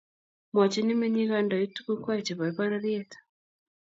Mwachini menyik kandoik tukukwai chepo pororiet